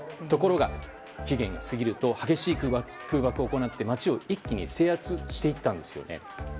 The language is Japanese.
ところが、期限を過ぎると激しい空爆を行って街を一気に制圧していったんです。